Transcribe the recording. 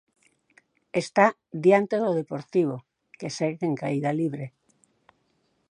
Está diante do Deportivo, que segue en caída libre.